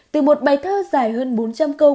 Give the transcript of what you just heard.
từ một bài thơ dài hơn bốn trăm linh câu